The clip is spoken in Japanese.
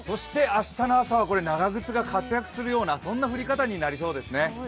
明日の朝は長靴が活躍しそうなそんな降り方になりそうですね。